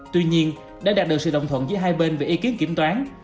tuy nhiên để đạt được sự đồng thuận giữa hai bên về ý kiến kiểm toán